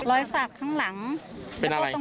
รอยสักข้างหลัง